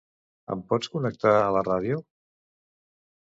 Em pots connectar la ràdio?